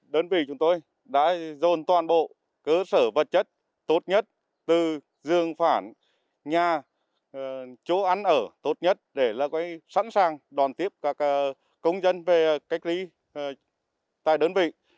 đơn vị chúng tôi đã dồn toàn bộ cơ sở vật chất tốt nhất từ giường phản nhà chỗ ăn ở tốt nhất để sẵn sàng đón tiếp các công dân về cách ly tại đơn vị